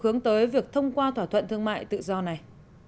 hướng tới việc thông qua thỏa thuận thương mại tự do này